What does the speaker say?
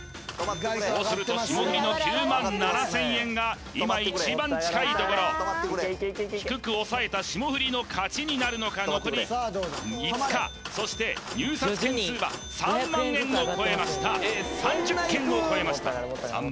そうすると霜降りの９７０００円が今一番近いところ低く抑えた霜降りの勝ちになるのか残り５日そして入札件数は３万円を超えました３０件を超えました